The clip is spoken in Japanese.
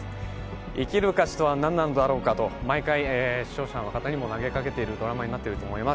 生きる価値とは何なのだろうかと毎回視聴者の方にも投げかけているドラマになっていると思います。